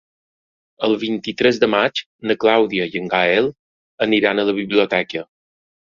El vint-i-tres de maig na Clàudia i en Gaël aniran a la biblioteca.